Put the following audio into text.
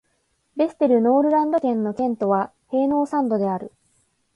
ヴェステルノールランド県の県都はヘーノーサンドである